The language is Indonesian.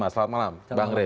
selamat malam mbak rey